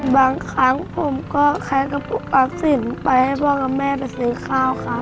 บางครั้งผมก็ขายกระปุกอักสินไปให้พ่อกับแม่ไปซื้อข้าวครับ